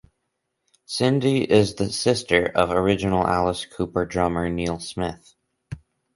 Cindy is the sister of original Alice Cooper drummer Neal Smith.